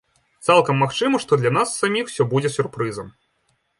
Цалкам магчыма, што для нас саміх усё будзе сюрпрызам.